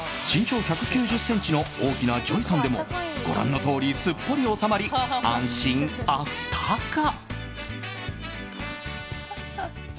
身長１９０ｃｍの大きなＪＯＹさんでもご覧のとおり、すっぽり収まり安心あったか。